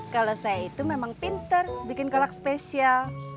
kalau saya itu memang pinter bikin kolak spesial